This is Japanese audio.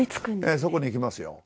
ええそこに行きますよ。